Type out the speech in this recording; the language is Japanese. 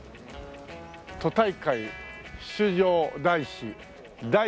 「都大会出場男子」